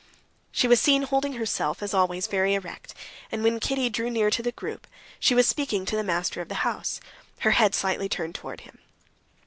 She was standing holding herself, as always, very erect, and when Kitty drew near the group she was speaking to the master of the house, her head slightly turned towards him.